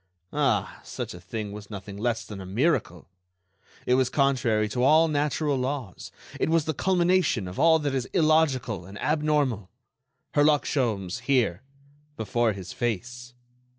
Ah! such a thing was nothing less than a miracle; it was contrary to all natural laws; it was the culmination of all that is illogical and abnormal.... Herlock Sholmes here—before his face!